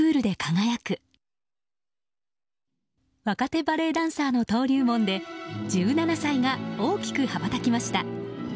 若手バレエダンサーの登竜門で１７歳が大きく羽ばたきました。